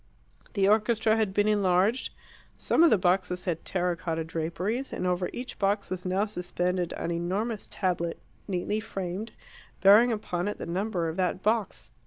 The orchestra had been enlarged, some of the boxes had terra cotta draperies, and over each box was now suspended an enormous tablet, neatly framed, bearing upon it the number of that box.